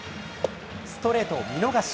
ストレートを見逃し。